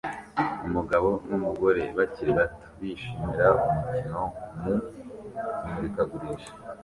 Umugabo n'umugore bakiri bato bishimira umukino mu imurikagurisha